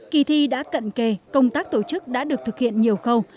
kỳ thi đã cận kề công tác tổ chức đã được thực hiện nhiều khâu